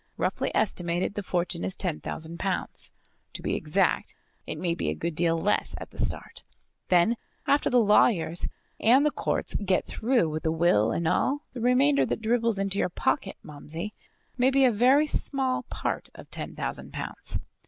Roughly estimated the fortune is ten thousand pounds. To be exact, it may be a good deal less at the start. Then, after the lawyers and the courts get through with the will and all, the remainder that dribbles into your pocket, Momsey, may be a very small part of ten thousand pounds."